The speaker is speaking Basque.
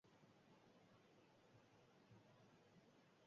Arma bat eta munizioa aurkitu zituzten bertan.